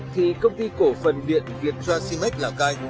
thì công ty cổ phần viện việt tracimex lào cai